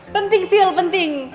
penting sheila penting